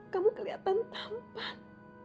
kamu kelihatan tampan